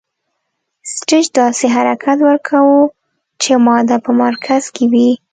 سټیج داسې حرکت ورکوو چې ماده په مرکز کې وي.